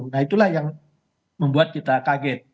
nah itulah yang membuat kita kaget